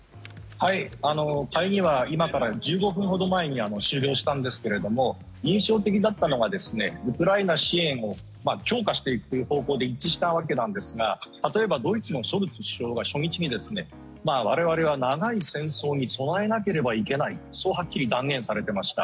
会議は今から１５分ほど前に終了したんですけれども印象的だったのがウクライナ支援を強化していく方向で一致したわけですが例えばドイツのショルツ首相が初日に我々は長い戦争に備えなければいけないそうはっきり断言されてました。